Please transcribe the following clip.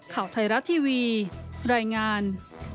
ข่าวไทยรัฐทีวีรายงาน